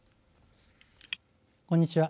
こんにちは。